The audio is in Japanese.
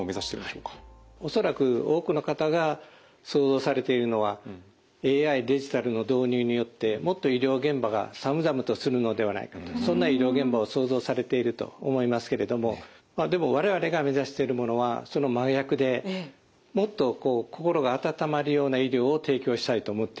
恐らく多くの方が想像されているのはＡＩデジタルの導入によってもっと医療現場が寒々とするのではないかとそんな医療現場を想像されていると思いますけれどもでも我々が目指しているものはその真逆でもっとこう心が温まるような医療を提供したいと思っています。